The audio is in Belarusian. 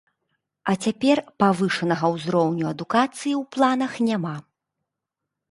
А цяпер павышанага ўзроўню адукацыі ў планах няма.